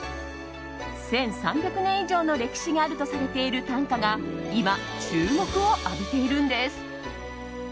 １３００年以上の歴史があるとされている短歌が今、注目を浴びているんです。